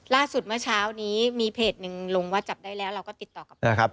เมื่อเช้านี้มีเพจหนึ่งลงว่าจับได้แล้วเราก็ติดต่อกลับไปครับ